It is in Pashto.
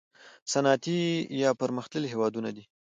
صنعتي یا پرمختللي هیوادونه دي.